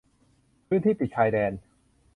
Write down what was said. พื้นที่ติดชายแดน